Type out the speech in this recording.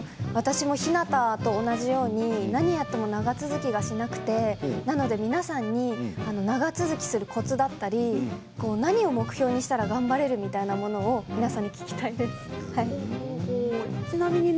私もひなたと同じように何をやっても長続きがしなくてなので、皆さんに長続きするコツだったり何を目標にしたら頑張れるみたいなものを皆さんに聞きたいです。